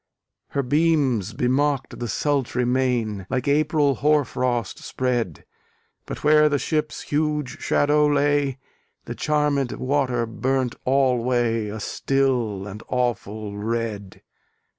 Her beams bemocked the sultry main, Like April hoar frost spread; But where the ship's huge shadow lay, The charmed water burnt alway A still and awful red.